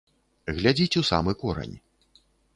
Глядзіць у самы корань.